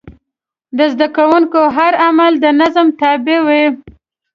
د زده کوونکو هر عمل د نظم تابع و.